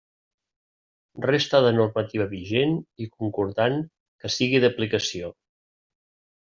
Resta de normativa vigent i concordant que sigui d'aplicació.